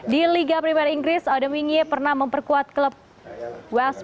di liga primer inggris odemwingie pernah memperkuat klub west